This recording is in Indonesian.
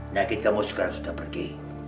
nakit kamu sekarang sudah pergi